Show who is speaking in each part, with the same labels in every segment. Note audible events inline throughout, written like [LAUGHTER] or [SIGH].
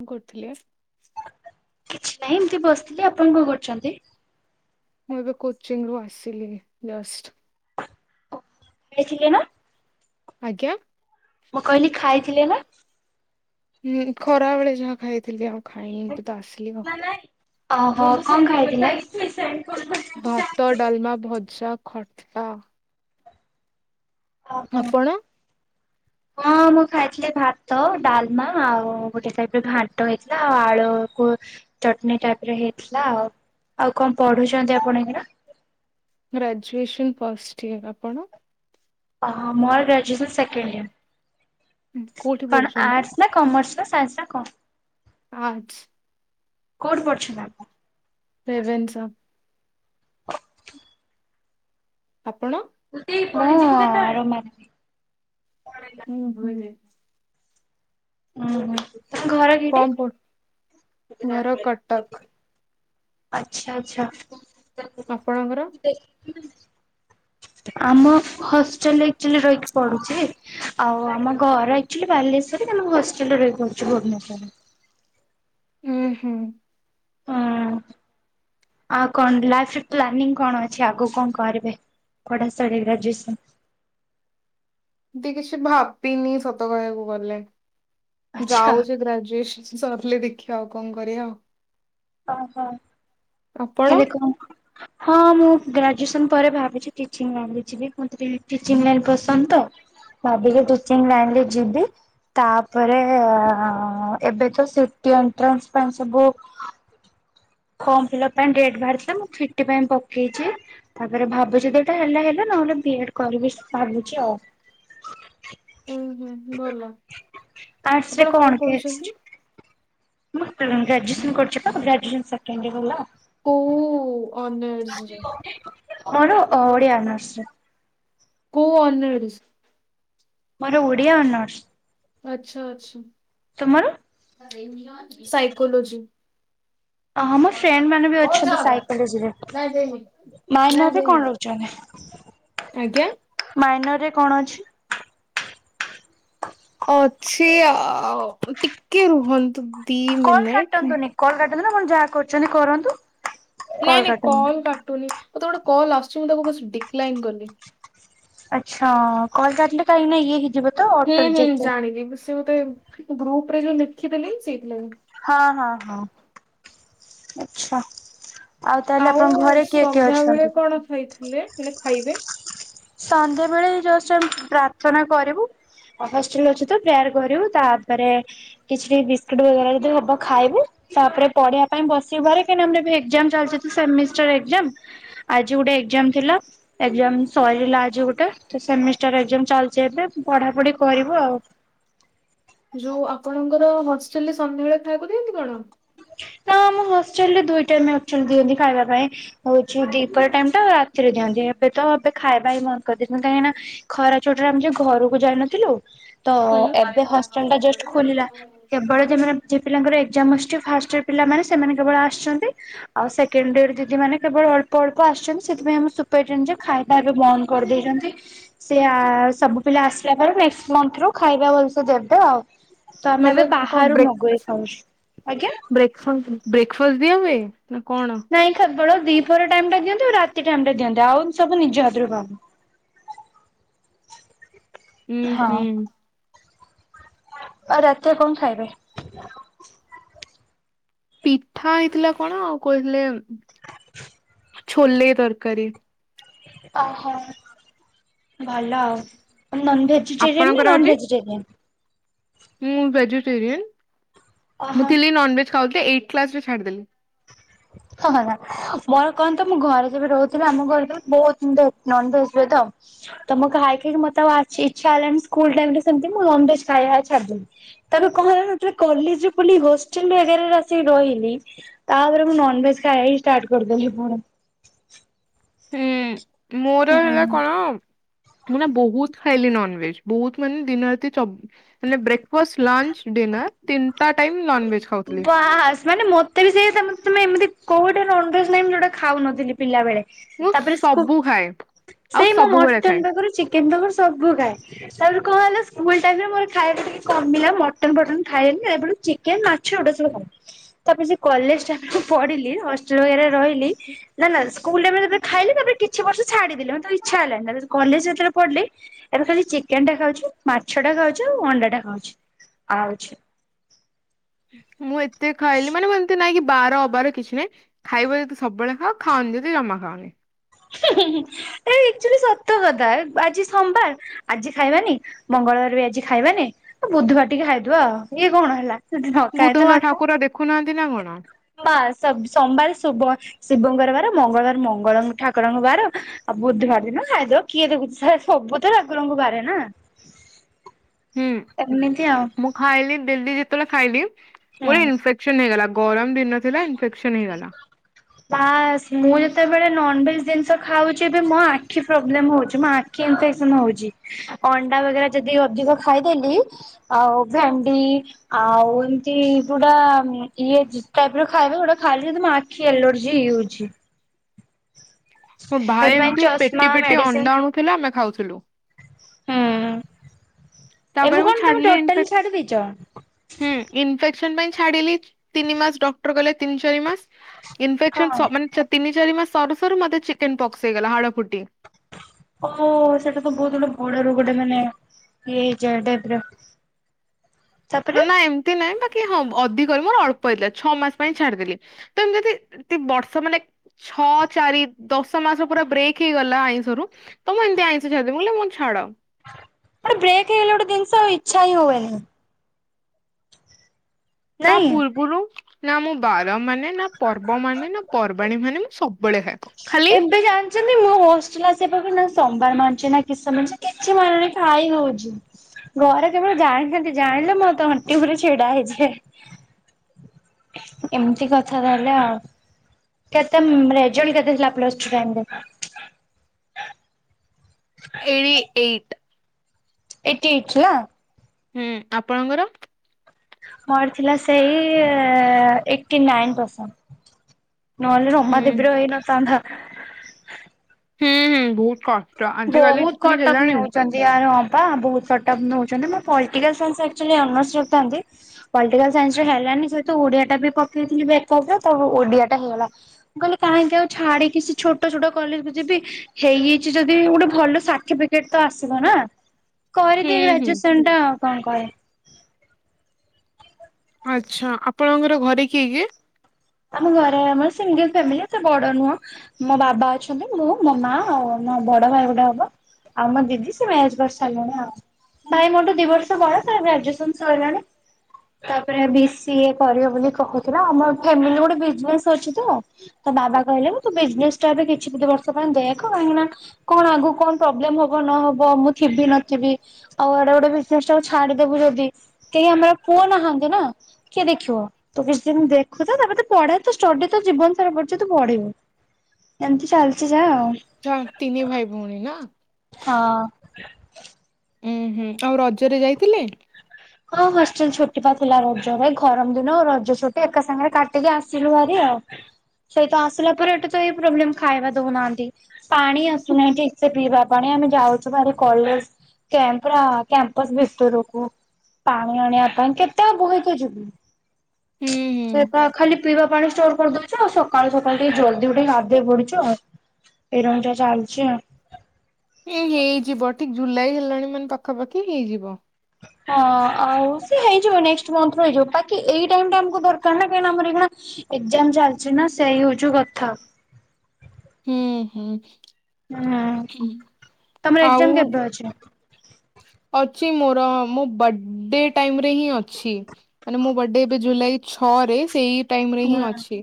Speaker 1: କଣ କରୁଥିଲେ?
Speaker 2: କିଛି ନାହିଁ ଏମତି ବସିଥିଲି ଆପଣ କଣ କରୁଛନ୍ତି?
Speaker 1: ମୁଁ ଏବେ କୋଚିଂ ରୁ ଆସିଲି ଜଷ୍ଟ।
Speaker 2: ଖାଇଥିଲେ ନା?
Speaker 1: ଆଜ୍ଞା।
Speaker 2: ମୁଁ କହିଲି ଖାଇଥିଲେ ନା?
Speaker 1: ହୁଁ ଖରା ବେଳେ ଯାହା ଖାଇଥିଲି ଆଉ ଖାଇନ ଏବେ ତ ଆସିଲି।
Speaker 2: ଓହୋ କଣ ଖାଇଥିଲେ?
Speaker 1: ଭାତ, ଡାଲମା, ଭଜା, ଖଟା।
Speaker 2: ଓ ହୋ।
Speaker 1: ଆପଣ? [INAUDIBLE]
Speaker 2: ହଁ ମୁଁ ଖାଇଥିଲି ଭାତ, ଡାଲମା ଆଉ ଗୋଟେ ଟାଇପରେ ଘାଣ୍ଟ ହେଇଥିଲା ଆଉ ଆଳୁକୁ ଚଟଣୀ ଟାଇପ ର ହେଇଥିଲା ଆଉ। ଆଉ କଣ ପଢୁଛନ୍ତି ଆପଣ ଏଇନା?
Speaker 1: ଗ୍ରାଜୁଏସନ୍ ପଷ୍ଟ ଇୟର ଆପଣ?
Speaker 2: ଓହୋ ମୋର ଗ୍ରାଜୁଏସନ୍ ସେକେଣ୍ଡ ଇୟର,
Speaker 1: କୋଉଠି
Speaker 2: କଣ
Speaker 1: ପଢୁଛନ୍ତି?
Speaker 2: ଆର୍ଟସ ନା କମର୍ସ ନା ସାଇନ୍ସ ନା କଣ?
Speaker 1: ଆର୍ଟ୍ସ।
Speaker 2: କୋଉଠି ପଢୁଛନ୍ତି ଆପଣ?
Speaker 1: ରେଭେନ୍ସା। ଆପଣ?
Speaker 2: ମୁଁ ରମାଦେବୀ।
Speaker 1: ହୁଁ ଭ [INAUDIBLE]
Speaker 2: ଉଁ ହୁଁ ଆପଣଙ୍କ ଘର କୋଉଠି?
Speaker 1: କଣ ପଢୁ ଘର କଟକ।
Speaker 2: ଆଚ୍ଛା-ଆଚ୍ଛା।
Speaker 1: ଆପଣଙ୍କର?
Speaker 2: ଆମ ହଷ୍ଟେଲରେ ଆକ୍ଚୁଆଲି ରହିକି ପଡୁଛି। ଆଉ ଆମ ଘର ଆକ୍ଚୁଆଲି ବାଲେଶ୍ଵରରେ। କିନ୍ତୁ ମୁଁ ହଷ୍ଟେଲରେ ରହିକି ପଢୁଛି ଭୁବନେଶ୍ୱରରେ।
Speaker 1: ହୁଁ ହୁଁ।
Speaker 2: ହଁ ଆଉ କଣ ଲାଇଫ ରେ ପ୍ଲାନିଂ କଣ ଅଛି ଆଗକୁ କଣ କରିବେ? ପଢ଼ା ସାଇଲେ ଗ୍ରାଜୁଏସନ୍
Speaker 1: ଏମତି କିଛି ଭାବିନି ସତ କହିବାକୁ ଗଲେ।
Speaker 2: ଆଚ୍ଛା
Speaker 1: ଯାଉଛି ଗ୍ରାଜୁଏସନ ସରିଲେ ଦେଖିବା ଆଉ କଣ କରିବା ଆଉ।
Speaker 2: ଓହୋ
Speaker 1: ଆପଣ?
Speaker 2: ଏବେ କଣ? ହଁ ମୁଁ ଗ୍ରାଜୁଏସନ୍ ପରେ ଭାବିଛି ଟିଚିଂ ଲାଇନରେ ଯିବି। ମତେ ଟିକେ ଟିଚିଂ ଲାଇନ ପସନ୍ଦ ତ। ଭାବିଲି ଟିଚିଂ ଲାଇନ୍ ରେ ଯିବି। ତାପରେ, ଅ ଏବେ ତ ସିଟି ଏଣ୍ଟ୍ରାନ୍ସ ପାଇଁ ସବୁ ଫର୍ମ ଫିଲପ୍ ପାଇଁ ଡେଟ୍ ବାହାରିଥିଲା। ମୁଁ ଫିଟି ପାଇଁ ପକେଇଛି। ତାପରେ ଭାବୁଛି ଯଦି ଏଟା ହେଲା ହେଲା। ନହେଲେ ବି ଏଡ କରିବି ଭାବୁଛି ଆଉ।
Speaker 1: ଓ ହୋ ଭଲ।
Speaker 2: ଆର୍ଟସ୍ ରେ
Speaker 1: ଆପଣ କଣ
Speaker 2: ଟେଷ୍ଟ?
Speaker 1: ପଢୁଛନ୍ତି?
Speaker 2: ମୁଁ ଗ୍ରାଜୁଏସନ୍ କରିଚିତ ଗ୍ରାଜୁଏସନ୍ ସେକେଣ୍ଡ ୟିଅର ହେଲା।
Speaker 1: କୋଉ ଅନ
Speaker 2: କଣ ଓଡିଆ ଅନର୍ସ।
Speaker 1: କୋଉ ଅନରର୍ସ?
Speaker 2: ମାନେ ଓଡିଆ ଅନର୍ଶ।
Speaker 1: ଆଚ୍ଛା ଆଛା।
Speaker 2: ତମର?
Speaker 1: ସାଇକୋଲୋଜି।
Speaker 2: ଅ ମୋର ଫ୍ରେଣ୍ଡ ମାନେ ବି ଅଛନ୍ତି ସାଇକୋଲୋଜିରେ। ମାଇନର୍ ରେ କଣ ରଖିଛନ୍ତି?
Speaker 1: ଆଜ୍ଞା?
Speaker 2: ମାଇନର ରେ କଣ ଅଛି?
Speaker 1: ଅଛି ଆ ଟିକେ ରୁହନ୍ତୁ। ଦି
Speaker 2: କଲ୍
Speaker 1: ମିନିଟ।
Speaker 2: କାଟନ୍ତୁନି କଲ୍ କାଟନ୍ତୁନି, ଆପଣ ଯାହା କରୁଛନ୍ତି କରନ୍ତୁ।
Speaker 1: ନାଇଁ
Speaker 2: କଲ୍
Speaker 1: ନାଇଁ
Speaker 2: କାଟନ୍ତୁ।
Speaker 1: କଲ କାଟୁନି। ମତେ ଗୋଟେ କଲ୍ ଆସୁଛି ମୁଁ ତାକୁ ବସ୍ ଡିକ୍ଲାଇନ୍ କଲି।
Speaker 2: ଆଚ୍ଛା ଅ କଲ କାଟିଲେ କାଇଁ କିନା ଇଏ ହେଇଯିବ। ତ
Speaker 1: ହୁଁ
Speaker 2: ଅଟୋ
Speaker 1: ହୁଁ
Speaker 2: ରିଜେକ୍ଟ
Speaker 1: ଜାଣିଲି, ସେ ମତେ ଗ୍ରୁପ ରେ ଯୋଉ ଲେଖିଦେଲି ସେଇଥିଲାଗି।
Speaker 2: ହଁ ହଁ ହଁ ଆଛା।
Speaker 1: ଆଉ ସନ୍ଧ୍ୟାବେଳେ କଣ ଖାଇଥିଲେ ହେଲେ ଖାଇବେ?
Speaker 2: ସନ୍ଧ୍ୟାବେଳେ ଜଷ୍ଟ ଆମ ପ୍ରାର୍ଥନା କରିବୁ। ହଷ୍ଟେଲ ରେ ଅଛୁ ତ ପ୍ରେୟାର କରିବୁ ତାପରେ କିଛି ବିସ୍କୁଟ ବଗେରା ଯଦି ହବ ଖାଇବୁ। ତାପରେ ପଢିବା ପାଇଁ ବସିବୁ ଭାରି କାହିନା ଆମର ଏବେ ଏକ୍ଜାମ ଚାଲୁଚି ତ ସେମିଷ୍ଟାର ଏକ୍ସଜାମ୍। ଆଜି ଗୋଟେ ଏକ୍ଜାମ ଥିଲା ଏକଜାମ ସରିଲା ଆଜି ଗୋଟେ ତ ସେମିଷ୍ଟର ଏକ୍ଜାମ ଚାଲୁଚି ଏବେ ପଢାପଢି କରିବୁ ଆଉ।
Speaker 1: ଯଉ ଆପଣଙ୍କର ହଷ୍ଟେଲ ରେ ସନ୍ଧ୍ୟାବେଳେ ଖାଇବାକୁ ଦିଅନ୍ତି କଣ?
Speaker 2: ନା ଆମ ହଷ୍ଟେଲ ରେ ଦୁଇ ଟାଇମ୍ ଆକଚୁଆଲି ଦିଅନ୍ତି ଖାଇବା ପାଇଁ। ହଉଛି ଦୀପହର ଟାଇମ ଟା ରାତିରେ ଦିଅନ୍ତି ଏବେ ତ ଏବେ ଖାଇବା ହିଁ ବନ୍ଦ କରିଦେଇଚନ୍ତି କାହିଁକି ନା ଖରା ଛୁଟିରେ ଆମେ ଯଉ ଘରକୁ ଯାଇନଥିଲୁ ତ ଏବେ ହଷ୍ଟେଲ୍ ଟା ଜଷ୍ଟ ଖୋଲିଲା।
Speaker 1: ହୁଁ।
Speaker 2: କେବଳ ଯୋଉମାନେ ଯୋଉ ପିଲାଙ୍କର ଏକ୍ସାମ୍ ଆସୁଛି ଫାର୍ଷ୍ଟ ସେ ପିଲାମାନେ ସେମାନେ କେବଳ ଆସୁଛନ୍ତି। ଆଉ ସେକେଣ୍ଡ ଡେ ରେ ଯେ ଯେ ମାନେ କେବଳ ଅଳ୍ପ ଅଳ୍ପ ଆସୁଛନ୍ତି ସେଥିପାଇଁ ଆମ ସୁପରଟେଣ୍ଡ ଖାଈ ଟା ଏବେ ବନ୍ଦ କରିଦେଇଚନ୍ତି। ସେ ଆ ସବୁ ପିଲା ଆସିଲା ବୁଳୁକୁ ନେଷ୍ଟ ମଥ ରୁ ଖାଇବା ଭଲସେ ଦେବେ ଆଉ। ତ ଆମେ
Speaker 1: ମାନେ
Speaker 2: ଏବେ ବାହାରୁ ମଗେଇ ଖାଉଛୁ ଆଜ୍ଞା
Speaker 1: ବ୍ରେକଫ ବ୍ରେକଫାଷ୍ଟ ଦିଆ ହୁଏ ନା କଣ?
Speaker 2: ନାଇଁ କେବଳ ଦିପହର ଟାଇମ୍ ଟା ଦିଅନ୍ତି ଆଉ ରାତି ଟାଇମ୍ ଟା ଦିଅନ୍ତି ଆଉ ସବୁ ନିଜ ହାତରୁ ଖାଉ।
Speaker 1: ଉଁ
Speaker 2: ହଁ
Speaker 1: ହୁଁ।
Speaker 2: ଆଉ ରାତିରେ କଣ ଖାଇବେ?
Speaker 1: ପିଠା ହେଇଥିଲା କଣ। ଆଉ କହିଥିଲେ ଛୋଲେ ତରକାରୀ।
Speaker 2: ଅ ହ। ଭଲ ଆଉ। ତମକୁ ନନ ଭେଜ୍ ଭେଜିଟେରିୟାନ୍
Speaker 1: ଆପଣଙ୍କର
Speaker 2: ନା
Speaker 1: ଆଜି
Speaker 2: ନନ୍ ଭେଜିଟେରିୟାନ୍?
Speaker 1: ମୁଁ ଭେଜିଟେରିୟାନ୍।
Speaker 2: ଓହୋ।
Speaker 1: ମୁଁ ଥିଲି ନନ୍ଭେଜ୍ ଖାଉଥିଲି ଏଇଟ୍ କ୍ଲାସ ରେ ଛାଡ଼ିଦେଲି।
Speaker 2: ମୋର କଣ ତ ମୁଁ ଘରେ ଯେବେ ରହୁଥିଲି ଆମ ଘରେ ତ ବହୁତ ଏମିତ୍ ନନ୍ଭେଜ୍ ହୁଏ ତ। ତ ମୁଁ ଖାଇ ଖାଇ କି ମତେ ଆଉ ଇଚ୍ଛା ହେଲାଣି ସ୍କୁଲ ଟାଇମ ରେ ସେମତି ମୁଁ ନନଭେଜ ଖାଏ ଛାଡ଼ଦେଲି। ତାପରେ କଣ ହେଲାନା ଯେବେ କଲେଜ୍ ରେ ପଢ଼ିଲି ହଷ୍ଟେଲ ରେ [UNINTELLIGIBLE] ଆସିକି ରହିଲି ତାପରେ ମୁଁ ନନ୍ଭେଜ୍ ଖାଇବା ହିଁ ଷ୍ଟାଟ କରିଦେଲି ପୁଣି।
Speaker 1: ହୁଁ ମୋର ହେଲା
Speaker 2: ହୁଁ
Speaker 1: କଣ ମୁଁ ନା ବହୁତ୍ ଖାଇଲି ନନ୍ଭେଜ୍। ବହୁତ୍ ମାନେ ଦିନ ରାତି ଚବି ମାନେ ବ୍ରେକଫାଷ୍ଟ, ଲଞ୍ଚ, ଡିନର୍ ତିନିଟା ଟାଇମ୍ ନନ୍ଭେଜ୍।
Speaker 2: ବାସ୍ ମାନେ ମତେ ବି ସେଇ ତମେ ଏମିତି କଉଠି ନନ୍ଭେଜ୍ ନାହିଁ ମୁଁ ଯଉଟା ଖାଉନଥିଲି ପିଲା ବେଳେ।
Speaker 1: ମୁଁ
Speaker 2: ତାପରେ ସ୍କୁ
Speaker 1: ସବୁ ଖାଏ ଆଉ
Speaker 2: ସେଇ ମୁଁ
Speaker 1: ସବୁବେଳେ ଖାଏ।
Speaker 2: ମଟନ୍ ପାଖରୁ ଚିକେନ୍ ପାଖରୁ ସବୁ ଖାଏ। ତାପରେ କଣ ହେଲା ସ୍କୁଲ୍ ଟାଇମ୍ ରେ ମୋର ଖାଇବା ଟିକେ କମିଲା। ମଟନ୍ ଫଟନ୍ ଖାଏନି ଏବେଠୁ ଚିକେନ୍, ମା [UNINTELLIGIBLE] ତାପରେ ସେ କଲେଜ୍ ଟାଇମ୍ ରେ ପଢିଲି ହଷ୍ଟେଲ ବଗେରା ରେ ରହିଲି ନା ନା ସ୍କୁଲରେ ବେଳେ ବେଳେ ଖାଇଲି, ତାପରେ କିଛି ବର୍ଷ ଛାଡିଦେଲି। ମତେ ଇଛା ହେଲାନି। ତାପରେ କଲେଜ୍ ରେ ଯେତେବେଳେ ପଢିଲି ଏବେ ଖାଲି ଚିକେନ୍ ଟା ଖାଉଚି। ମାଛ ଟା ଖାଉଚି। ଆଉ ଅଣ୍ଡା ଟା ଖାଉଚି। ଆଉ କିଛି
Speaker 1: ମୁଁ ଏତେ ଖାଇଲି ମାନେ ଏମିତି ନାଇଁ କି ବାର ଅବାର କିଛି ନାହିଁ। ଖାଇବ ଯଦି ସବୁବେଳେ ଖାଅ। ଖାଅନି ଯଦି ଜମା ଖାଅନି।
Speaker 2: ଏଇଟା ଆକଚୁଆଲି ସତ କଥା। ଆଜି ସୋମବାର ଆଜି ଖାଇବାନି। ମଙ୍ଗଳବାର ବି ଆଜି ଖାଇବାନି। ବୁଧବାର ଟିକେ ଖାଇଦବା ଆଉ। ଇଏ କଣ ହେଲା। ଯଦି ନ ଖାଏ ତୁ ନ ଖା।
Speaker 1: ଖୁନାହାନ୍ତି ନା କଣ?
Speaker 2: ବାସ୍ ସୋମବାର ଶୁବ ଶିବଙ୍କର ବାର, ମଙ୍ଗଳବାରେ ମଙ୍ଗଳ ଠାକୁରଙ୍କ ବାର ଆଉ ବୁଧବାର ଦିନ ଖାଇଦବ କିଏ ଦେଖୁଚି। ଆରେ ସବୁ ତ ଠାକୁରଙ୍କ ବାର ନା।
Speaker 1: [INAUDIBLE] ହୁଁ।
Speaker 2: ଏମିତି ଆଉ
Speaker 1: ମୁଁ ଖାଇଲି ଡେଲି ଯେତେବେଳେ ଖାଇଲି ମୋର
Speaker 2: ହୁଁ।
Speaker 1: ଇନଫେକ୍ସନ ହେଇଗଲା। ଗରମ ଦିନ ଥିଲା ଇନଫେକ୍ସନ୍ ହେଇଗଲା।
Speaker 2: ବାସ୍ ମୁଁ ଯେତେବେଳେ ନନ୍ଭେଜ୍ ଜିନିଷ ଖାଉଚି ଏବେ ମୋ ଆଖି ପ୍ରୋବ୍ଲେମ୍ ହଉଚି। ମୋ ଆ ଆଖି ଇନଫେକ୍ସନ ହଉଚି। ଅଣ୍ଡା ବଗେରା ଯଦି ଅଧିକ ଖାଇଦେଲି ଆଉ ଭେଣ୍ଡି ଆଉ ଏମତି କୋଉଟା ଇଏ ଟାଇପ୍ ର ଖାଇବା ଯଉଟା ଖାଇଲି ଯଦି ମୋ ଆଖି ଏଲର୍ଜି ହେଇଯାଉଛି।
Speaker 1: ମୋ ଭାଇ
Speaker 2: ସେଥିପାଇଁ
Speaker 1: ଏମତି
Speaker 2: ଚଷମା
Speaker 1: ପେଟି ପେଟି
Speaker 2: ମେଡିସିନ
Speaker 1: ଅଣ୍ଡା ଆଣୁଥିଲା ଆମେ ଖାଉଥିଲୁ।
Speaker 2: ହୁଁ।
Speaker 1: ତାପରେ
Speaker 2: ଏବେ
Speaker 1: ମୁଁ
Speaker 2: କଣ ତମେ
Speaker 1: ଛାଡିଲି ଇନଫେ
Speaker 2: ଟୋଟାଲି ଛାଡି ଦେଇଛ?
Speaker 1: ହୁଁ। ଇନଫେକ୍ସନ ପାଇଁ ଛାଡିଲି ତିନି ମାସ୍। ଡକ୍ଟର କହିଲା ତିନି ଚାରି ମାସ୍
Speaker 2: ହଁ
Speaker 1: ଇନଫେକ୍ସନ ସ ମାନେ ତିନି ଚାରି ମାସ ସରୁ ସରୁ ମତେ ଚିକେନ୍ ପକ୍ସ ହେଇଗଲା ହାଡ ଫୁଟି।
Speaker 2: ଓ ସେଟା ତ ବହୁତ ଗୋଟେ ବଡ ରୋଗ ଟେ ମାନେ ଇଏ ହେଇଯାଏ ଟାଇପ୍ ର।
Speaker 1: ନା ନା ଏମିତି ନାହିଁ। ବାକି ହଁ ଅଧିକ ରେ ମୋର ଅଳପ ହେଇଥିଲା ଛଅ ମାସ ପାଇଁ ଛାଡିଦେଲି। ତମେ ଯଦି ବର୍ଷ ମାନେ ଛଅ ଚାରି ଦଶ ମାସ ପୁରା ବ୍ରେକ୍ ହେଇଗଲା ଆଇଁଷରୁ ତ ମୁଁ ଏମିତି ଆଇଁଷ ଛାଡିଦେବି ମୁଁ କହିଲି ମୁଁ ଛାଡ଼।
Speaker 2: ଗୋଟେ ବ୍ରେକ୍ ହେଇଗଲେ ଗୋଟେ ଜିନିଷ ଇଛା ହିଁ ହୁଏନି।
Speaker 1: ତା
Speaker 2: ନାଇଁ
Speaker 1: ପୂର୍ବୁରୁ ନା ମୁଁ ବାର ମାନେ ନା ପର୍ବ ମାନେ ନା ପର୍ବାଣୀ ମାନେ ମୁଁ ସବୁବେଳେ ହୁଏ ଖାଏ, ଖାଲି
Speaker 2: ଯେମିତି ମୁଁ ହଷ୍ଟେଲ ଆସିବା ପୂର୍ବରୁ ସୋମବାର ମାନୁଛି ନା କିସ କିଛି ମାନୁନି ଖାଇ ହଉଛି। ଘରେ କେବଳ ଜାଣିଥାନ୍ତି ଜାଣିଲେ ମୋର ତଣ୍ଟି ଉପରେ ଛିଡା ହେଇଯିବେ। ଏମିତି କଥା ତାହଲେ ଆଉ। କେତେ ରେଜଲ୍ଟ କେତେ ଥିଲା ପ୍ଲସ ଟୁ ରେ?
Speaker 1: ଏଇ ଏଇଟ୍
Speaker 2: ଏଟି ଏଇଟି ନାଁ।
Speaker 1: ହୁଁ ଆପଣଙ୍କର?
Speaker 2: ମୋର ଥିଲା ସେଇ ଏଟି ନାଇନ ପରସେଣ୍ଟ। ନହେଲେ
Speaker 1: ହୁଁ
Speaker 2: ରମାଦେବୀର ହେଇନ ଥାନ୍ତା।
Speaker 1: ହୁଁ ହୁଁ ବୋହୁତ କ
Speaker 2: ବୋହୁତ କଟପ୍ ନେଉଚ [UNINTELLIGIBLE] ବହୁତ କଟପ୍ ନଉଚନ୍ତି ମୁଁ ପଲିଟିକାଲ୍ ସାଇନ୍ସ ଆର୍ଚୋଲି ଅନର୍ସ ରଖଥାନ୍ତି। ପଲିଟିକାଲ ସାଇନ୍ସ ରେ ହେଲାନି, ସେଠୁ ଓଡିଆ ଟା ବି ପକେଇଥିଲି ବ୍ୟାକପରେ ତ ଓଡିଆ ଟା ହେଲା। କହିଲି କାହିଁକି ଆଉ ଛାଡିକି କି ସେ ଛୋଟ ଛୋଟ କଲେଜକୁ ଯିବି ହେଇଯାଇଚି ଯଦି ଗୋଟେ ଭଲ ସାଠିବିକେଟ ତ ଆସିବ ନା
Speaker 1: ହୁଁ
Speaker 2: କରିିକି
Speaker 1: ହୁଁ
Speaker 2: ଗ୍ରାଜୁଏସନ୍ [UNINTELLIGIBLE]
Speaker 1: ଆଚ୍ଛା ଆପଣଙ୍କର ଘରେ କିଏ କିଏ?
Speaker 2: ଆମ ଘରେ ଆମର ସିଙ୍ଗଲ ଫ୍ୟାମିଲି ଏତେ ବଡ ନୁହଁ। ମୋ ବାବା ଅଛନ୍ତି ମୁଁ ମୋ ମା ଆଉ ମୋ ବଡ ଭାଇ ଗୁଡ଼ାକ। ଆଉ ମୋ ଦିଦି ସେ ମ୍ୟାରେଜ କରିସାରିଲେଣି ଆଉ। ଭାଇ ମୋଠୁ ଦି ବର୍ଷ ବଡ଼ ତାର ଗ୍ରାଜୁଏସନ ସରିଗଲାଣି। ତାପରେ ବି ସି ଏ କରିବ ବୋଲି କହୁଥିଲା ଆମ ଫ୍ୟାମିଲି ଗୋଟେ ବିଜିନେସ୍ ଅଛି ତ ତ ବାବା କହିଲେ ମୁଁ ତୁ ବିଜିନେସ୍ ଟା ଏବେ କିଛି ବର୍ଷ ପାଇଁ ଦେଖ କାହିଁକି ନା କଣ ଆଗକୁ କଣ ପ୍ରୋବ୍ଲେମ ହବ ନହବ ମୁଁ ଥିବି ନଥିବି ଆଉ ଏଇଟା ଗୋଟେ ବିଜିନସ୍ ଛାଡିଦବୁ ଯଦି କେହି ଆମର ପୁଅ ନାହାନ୍ତି ନା କିଏ ଦେଖିବ ତ କିଛି ଦିନ [UNINTELLIGIBLE] ପଢା ତ ଷ୍ଟଡି ତ ଜୀବନ ସାରା ପଡିଚି ତୁ ପଢିବୁ ଏମିତି ଚାଲିଚି ଯାହା ଆଉ।
Speaker 1: ତ ତିନି ଭାଇ ଭଉଣୀ ନା।
Speaker 2: ହଁ।
Speaker 1: ଉୁଁ ହୁଁ ଆଉ ରଜରେ ଯାଇଥିଲେ?
Speaker 2: ହଁ ହଁ ହଷ୍ଟେଲ ଛୁଟି ବା ଥିଲା ରଜ ଗରମ ଦିନ ରଜ ଛୁଟି ଏକା ସାଙ୍ଗରେ କାଟି ସେଠୁ ଆସିଲୁ ହେରି ଆଉ ସେଇତ ଆସିଲା ପରେ ଏଇଟି ତ ଏଇ ପ୍ରୋବ୍ଲେମ ଖାଇବା ଦୋଉନାହାନ୍ତି। ପାଣି ଆସୁନାହିଁ ଏତେ ପିଇବା ପାଣି ଆମେ ଯାଉଚୁ ଭାରି କଲେଜ କ୍ୟାପ ପୁରା କ୍ୟାମ୍ପସ ଭିତରକୁ। ପାଣି ଆଣିବା ପାଇଁ କେତେ ଆଉ ବହିକୁ ଯିବି
Speaker 1: ହୁଁ ହୁଁ
Speaker 2: ସେତ ଖାଲି ପିଇବା ପାଣି ଷ୍ଟୋର କରିଦଉଚୁ ଆଉ ସକାଳୁ ସକାଳୁ ଟିକେ ଜଲଦି ଉଠିକି ଗାଧେଇ ପଡୁଚି ଆଉ। [UNINTELLIGIBLE] ଚାଲଚି ଆଉ।
Speaker 1: ହେଇଯିବ ଠିକ ଜୁଲାଇ ହେଲାଣି ମାନେ ପାଖାପାଖି ହେଇଯିବ।
Speaker 2: ହଁ ଆଉ ସେ ହେଇଯିବ ନେକ୍ ମଥ ରୁ ହେଇଯିବ, ବାକି ଏଇ ଟାଇ ଟା ଆମକୁ ଦରକାର ନା କାହିଁ ନା ଆମର [UNINTELLIGIBLE] ଏକ୍ଜାମ ଚାଲିଚି ନା ସେଇ ହଉଚୁ କଥା।
Speaker 1: ହୁଁ ହୁଁ
Speaker 2: ହୁଁ। ତମର
Speaker 1: ଆଉ
Speaker 2: ଏକ୍ଜାମ କେବେ ଅଛି?
Speaker 1: ଅଛି ମୋର ମୋ ବର୍ଥଡେ ଟାଇମ ରେ ହିଁ ଅଛି। ମାନେ ମୁଁ ବର୍ଡେ ଏବେ ଜୁଲାଇ ଛଅ ରେ ସେଇ
Speaker 2: ହୁଁ
Speaker 1: ହଁ ଅଛି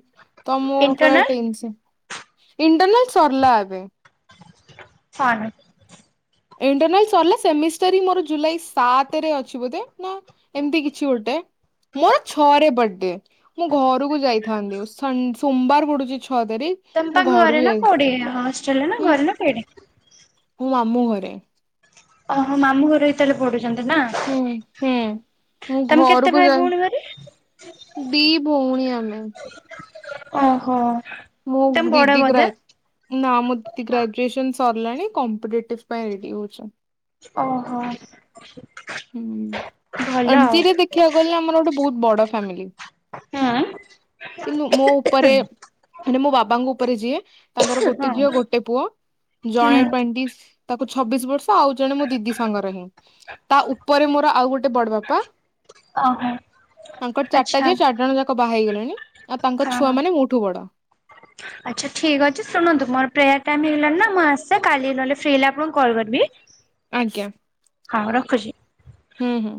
Speaker 1: ତ ମୁଁ ପୁରା
Speaker 2: ଇଣ୍ଟରନାଲ
Speaker 1: ଟେନସନ୍ ଇଣ୍ଟନାଲ୍ ସରିଲା ଏବେ।
Speaker 2: ହଁ
Speaker 1: ଇଣ୍ଟରଲ ସରିଲା ସେମିଷ୍ଟରଁ ମୋର ଜୁଲାଇ ସାତରେ ଅଛି ବୋଧେ। ଏମତି କିଛି ଗୋଟେ ମୋର ଛଅରେ ବର୍ଥଡେ। ମୁଁ ଘରକୁ ଯାଇଥାନ୍ତି ସ ସୋମବାର ପଡୁଛି ଛଅ ତାରିଖ।
Speaker 2: ତମପା
Speaker 1: ମୁଁ ଘରକୁ
Speaker 2: ଘରେ ନା
Speaker 1: ଯାଇ
Speaker 2: କୋଉଠି ହଷ୍ଟେଲ ରେ ନା ଘରେ ନାଁ [UNINTELLIGIBLE]
Speaker 1: ମୁଁ ମାମୁଁ ଘରେ।
Speaker 2: ଆଃହଁ ମାମୁଁ ଘର ଏ ତାଲେ ପଢୁଛନ୍ତି ନା।
Speaker 1: ହୁଁ ହୁଁ ମୁଁ
Speaker 2: ତମେ କେତେ
Speaker 1: ଘରକୁ
Speaker 2: ଭାଇ ଭଉଣୀ
Speaker 1: ଯାଇ
Speaker 2: ଘରେ?
Speaker 1: ଦି ଭଉଣୀ ଆମେ
Speaker 2: ଓହୋ।
Speaker 1: ମୁଁ
Speaker 2: ତମେ ବଡ
Speaker 1: ଦିଦି ଗ୍ରା
Speaker 2: ବୋଧେ
Speaker 1: ନା ମୋଦି ଗ୍ରାଜୁଏସନ ସରିଲାଣି କମ୍ପିଟେଟିଭ ପାଇଁ ରେଡି ହଉଛି।
Speaker 2: ଓହୋ।
Speaker 1: ହୁଁ
Speaker 2: ଭଲ ଆଉ।
Speaker 1: ଏମିତିରେ ଦେଖିବାକୁ ଗଲେ ଆମର ଗୋଟେ ବହୁତ ବଡ ଫ୍ୟାମିଲି।
Speaker 2: ହୁଁ
Speaker 1: କିନ୍ତୁ ମୋ ଉପରେ ମାନେ ମୋ ବାବାଙ୍କ ଉପରେ ଯିଏ ତାଙ୍କର
Speaker 2: ହଁ
Speaker 1: ଗୋଟେ ଝିଅ ଗୋଟେ ପୁଅ
Speaker 2: ହୁଁ
Speaker 1: ଜଣେ ଟ୍ୱେଣ୍ଟି ତାକୁ ଛବିଶ ବର୍ଷ ଆଉ ଜଣେ ମୋ ଦିଦି ସାଙ୍ଗର ହିଁ ତା ଉପରେ ମୋର ଆଉ ଗୋଟେ ଏ ବଡ଼ବାପା
Speaker 2: ଆଃହଁ
Speaker 1: ତାଙ୍କର ଚାରିଟା ଝିଅ ଚାରିଜଣ ଯାକ ବାହା ହେଇଗଲେଣି ଆଉ ତାଙ୍କ ଛୁଆ
Speaker 2: ହଁ।
Speaker 1: ମାନେ ମୋଠୁ ବଡ।
Speaker 2: ଆଚ୍ଛା ଠିକ୍ ଅଛି ଶୁଣନ୍ତୁ ମୋର ପ୍ରୟ ଟାଇମ ହେଇଗଲାଣି ନା ମୁଁ ଆସିଲା କାଲି ନହେଲେ ଫ୍ରି ହେଲେ ଆପଣଙ୍କୁ କଲ୍ କରିବି।
Speaker 1: ଆଜ୍ଞା
Speaker 2: ହଁ ରଖୁଛି।
Speaker 1: ହୁଁ ହୁଁ।